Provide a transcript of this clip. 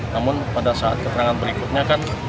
namun pada saat keterangan berikutnya kan